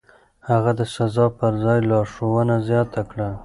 هغه د سزا پر ځای لارښوونه زياته کړه.